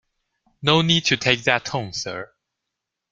No need to take that tone sir.